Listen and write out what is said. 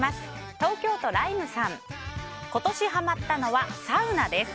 東京都の方今年ハマったのはサウナです。